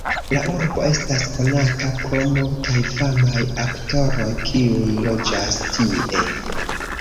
La urbo estas konata pro multaj famaj aktoroj, kiuj loĝas tie.